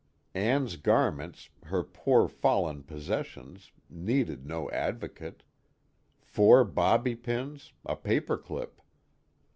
Ann's garments, her poor fallen possessions, needed no advocate: four bobby pins, a paper clip.